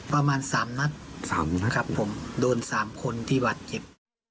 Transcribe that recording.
ประมาณ๓นัด๓นะครับผมโดน๓คนที่บาดเจ็บ